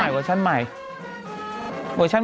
มันติดคุกออกไปออกมาได้สองเดือน